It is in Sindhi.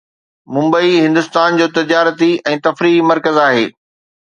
ممبئي هندستان جو تجارتي ۽ تفريحي مرڪز آهي